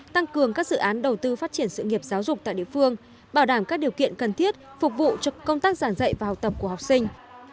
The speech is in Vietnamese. tăng cường các dự án đầu tư phát triển sự nghiệp giáo dục tại địa phương bảo đảm các điều kiện cần thiết phục vụ cho công tác giảng dạy và học tập của học sinh